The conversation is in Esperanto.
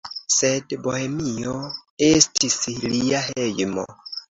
Sed Bohemio estis lia hejmo.